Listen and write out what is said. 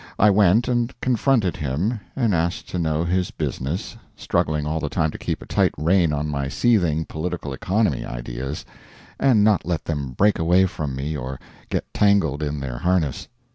I went and confronted him, and asked to know his business, struggling all the time to keep a tight rein on my seething political economy ideas, and not let them break away from me or get tangled in their harness.